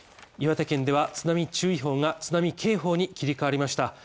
岩手県では、津波注意報が津波警報に切り替わりました。